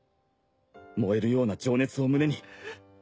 燃えるような情熱を胸に頑張ろう。